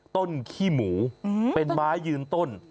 ขี้หมูเป็นไม้ยืนต้น